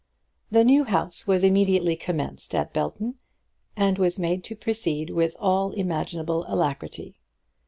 The new house was immediately commenced at Belton, and was made to proceed with all imaginable alacrity.